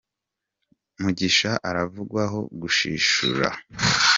mugisha aravugwaho ’Gushishura’